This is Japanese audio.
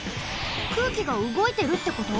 空気がうごいてるってこと？